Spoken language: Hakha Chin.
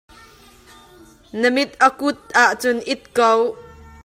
Na mit a kuut ahcun it ko.